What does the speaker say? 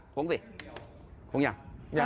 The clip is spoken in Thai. โค้งสิโค้งอย่าง